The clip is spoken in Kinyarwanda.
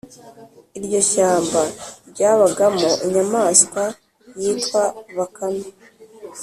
iryo shyamba ryabagamo inyamaswa yitwa bakame,